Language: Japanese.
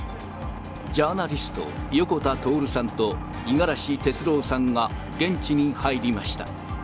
ジャーナリスト、横田徹さんと五十嵐哲郎さんが現地に入りました。